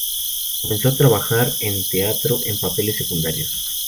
Comenzó a trabajar en teatro en papeles secundarios.